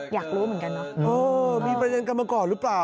อยากรู้เหมือนกันเนอะเออมีประเด็นกันมาก่อนหรือเปล่า